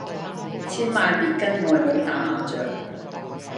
千萬別跟外母打麻將